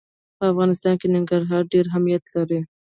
په افغانستان کې ننګرهار ډېر اهمیت لري.